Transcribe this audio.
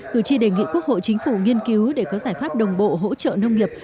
cử tri đề nghị quốc hội chính phủ nghiên cứu để có giải pháp đồng bộ hỗ trợ nông nghiệp